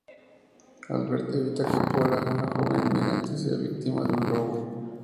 Albert evita que Pola, una joven inmigrante, sea víctima de un robo.